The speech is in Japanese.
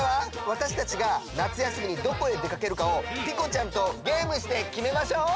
わたしたちが夏休みにどこへでかけるかをピコちゃんとゲームしてきめましょう！